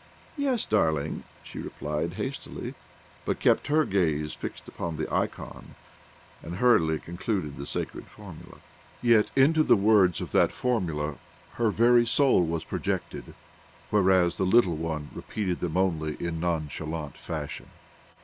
"Yes, darling," she replied hastily, but kept her gaze fixed upon the ikon, and hurriedly concluded the sacred formula. Yet into the words of that formula her very soul was projected, whereas the little one repeated them only in nonchalant fashion.